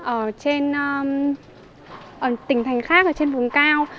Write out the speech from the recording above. ở trên tỉnh thành khác trên vùng cao